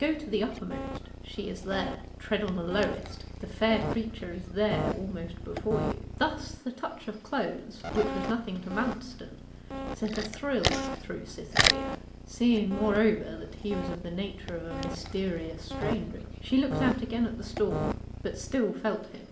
Go to the uppermost: she is there; tread on the lowest: the fair creature is there almost before you. Thus the touch of clothes, which was nothing to Manston, sent a thrill through Cytherea, seeing, moreover, that he was of the nature of a mysterious stranger. She looked out again at the storm, but still felt him.